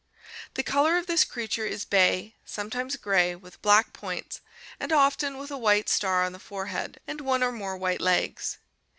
The color of this creature is bay, sometimes gray, with black points and often with a white star on the forehead and one or more white legs.